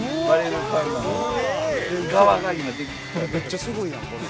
「めっちゃすごいやん。